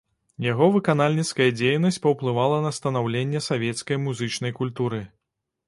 Яго выканальніцкая дзейнасць паўплывала на станаўленне савецкай музычнай культуры.